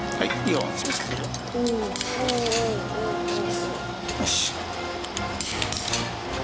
よし！